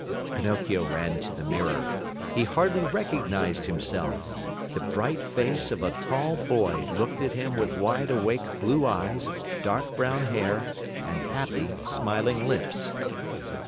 Pinocchio ran to the mirror. He hardly recognized himself. The bright face of a tall boy looked at him with wide awake blue eyes, dark brown hair and happy, smiling lips.